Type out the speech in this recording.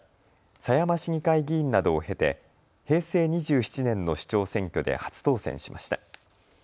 狭山市議会議員などを経て平成２７年の市長選挙で初当選しました。